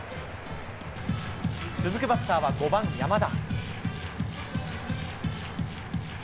続くバッターは５番山田。